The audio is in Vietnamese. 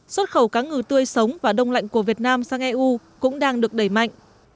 xuất khẩu cá ngừ tươi sống và đông lạnh của việt nam sang eu cũng đang được đẩy mạnh